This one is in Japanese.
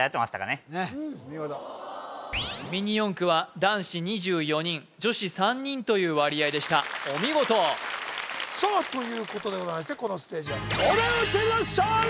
ねっお見事ミニ四駆は男子２４人女子３人という割合でしたお見事さあということでございましてこのステージは東大王チームの勝利！